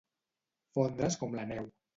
Fondre's com la neu.